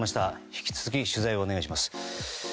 引き続き取材をお願いします。